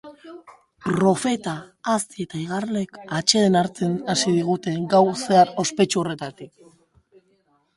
Profeta, azti eta igarleek atseden hartzen hasi digute gau zahar ospetsu horretati.